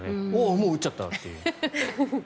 もう打っちゃったという。